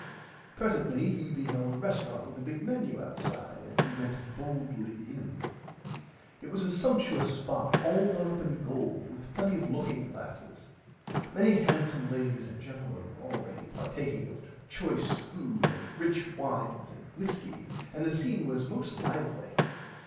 Presently he beheld a resterant with a big Menu outside and he went boldly in. It was a sumpshous spot all done up in gold with plenty of looking glasses. Many hansome ladies and gentlemen were already partaking of choice food and rich wines and whiskey and the scene was most lively.